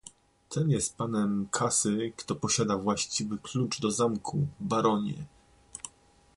"Ten jest panem kasy, kto posiada właściwy klucz do zamku, baronie!"